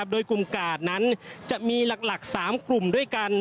โดยกลุ่มกาดนั้นจะมีหลัก๓กลุ่มด้วยกัน